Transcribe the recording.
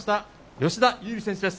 吉田優利選手です！